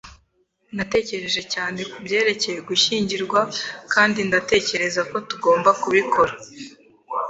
Natekereje cyane kubyerekeye gushyingirwa, kandi ndatekereza ko tugomba kubikora.